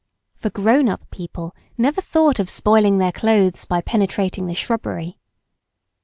For grown up people never thought of spoiling their clothes by penetrating the shrubbery.